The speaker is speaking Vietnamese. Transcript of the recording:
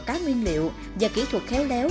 cá nguyên liệu và kỹ thuật khéo léo